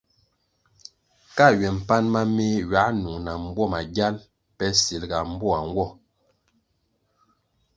Ka ywe mpan ma meh ywā nung na mbwo magyal pe silga mboa nwo.